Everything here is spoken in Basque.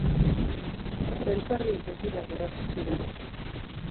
Elkarri begira geratu ziren.